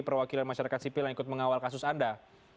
perwakilan masyarakat sipil yang ikut mengawal kasus anda